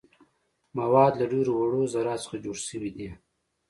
مواد له ډیرو وړو ذراتو څخه جوړ شوي دي.